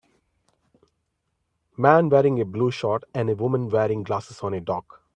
man wearing a blue short and a woman wearing a glasses on a dock